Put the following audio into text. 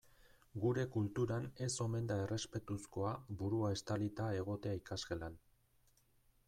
Gure kulturan ez omen da errespetuzkoa burua estalita egotea ikasgelan.